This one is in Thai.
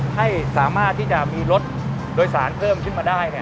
ให้สามารถที่จะมีรถโดยสารเพิ่มขึ้นมาได้